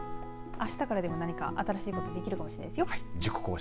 あしたからでも何か新しいことできるかもしれませんよ。